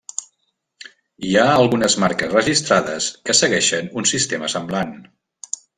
Hi ha algunes marques registrades que segueixen un sistema semblant.